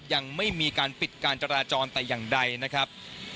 ยังไม่มีการปิดการจราจรแต่อย่างใดนะครับ